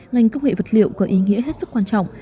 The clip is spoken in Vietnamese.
ngành công nghệ vật liệu có ý nghĩa hết sức quan trọng